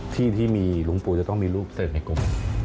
ที่ที่มีหลวงปู่จะต้องมีรูปเสิร์ฟในกลม